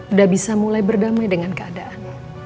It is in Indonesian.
udah bisa mulai berdamai dengan keadaan